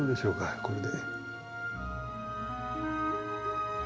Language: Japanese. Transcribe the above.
これで。